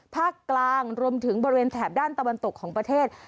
ภาคกลางรวมถึงบริเวณแถบด้านตะวันตกของประเทศ